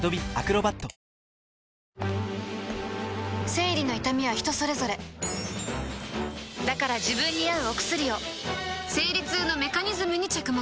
生理の痛みは人それぞれだから自分に合うお薬を生理痛のメカニズムに着目